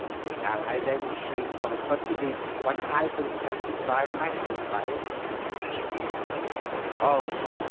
Shall I then shrink from such a deed when I can satisfy my hate by it?